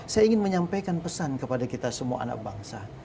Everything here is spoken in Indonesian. saya ingin menyampaikan pesan kepada kita semua anak bangsa